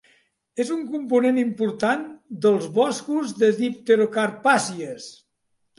És un component important dels boscos de dipterocarpàcies.